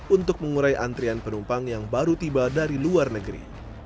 untuk mengurai antrian penumpang yang baru tiba dari luar negeri